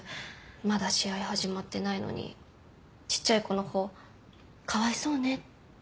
まだ試合始まってないのにちっちゃい子の方「かわいそうね」